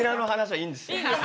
いいんです。